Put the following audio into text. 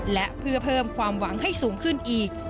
และเพื่อเพิ่มความหวังให้สูงขึ้นอีก